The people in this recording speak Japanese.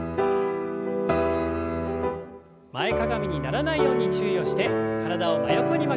前かがみにならないように注意をして体を真横に曲げます。